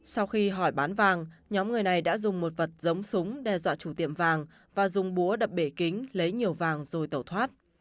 sau khi hỏi bán vàng nhóm người này đã dùng một vật giống súng đe dọa chủ tiệm vàng và dùng búa đập bể kính lấy nhiều vàng rồi tẩu thoát